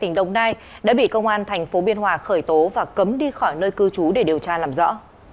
tỉnh đồng nai đã bị công an thành phố biên hòa khởi tố và cấm đi khỏi nơi cư trú để điều tra làm rõ